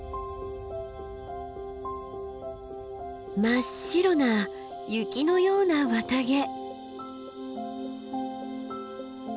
真っ白な雪のような綿毛。